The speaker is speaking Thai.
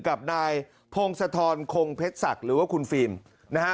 กับนายพงศธรคงเพชรศักดิ์หรือว่าคุณฟิล์มนะฮะ